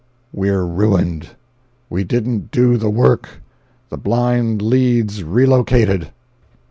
"We're ruined—we didn't do the work—THE BLIND LEAD'S RELOCATED!"